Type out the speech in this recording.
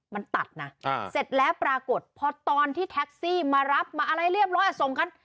มันตัดนะเสร็จแล้วปรากฏพอตอนที่แท็กซี่มารับมาอะไรเรียบร้อยอ่ะส่งกัน